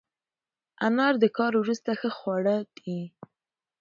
انار د کار وروسته ښه خواړه دي.